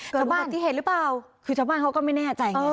อุบัติเหตุหรือเปล่าคือชาวบ้านเขาก็ไม่แน่ใจ